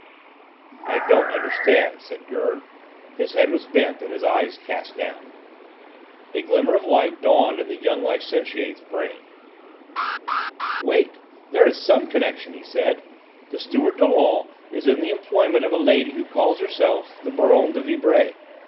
"I don't understand," said Gurn; his head was bent and his eyes cast down. A glimmer of light dawned in the young licentiate's brain. "Wait, there is some connection," he said. "The steward, Dollon, is in the employment of a lady who calls herself the Baronne de Vibray.